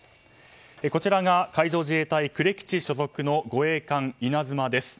こちらが海上自衛隊呉基地所属の護衛艦「いなづま」です。